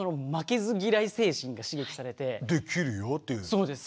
そうです。